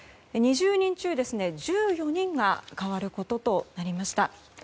２０人中１４人が代わることとなりました。